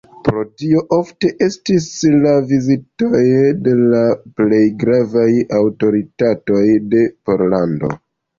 Pro tio ofte estis la vizitoj de la plej gravaj aŭtoritatoj de Pollando.